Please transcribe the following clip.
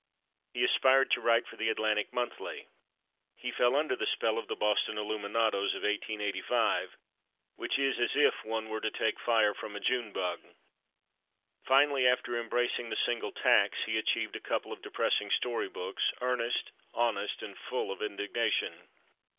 He aspired to write for the Atlantic Monthly. He fell under the spell of the Boston aluminados of 1885, which is as if one were to take fire from a June bug. Finally, after embracing the Single Tax, he achieved a couple of depressing story books, earnest, honest and full of indignation.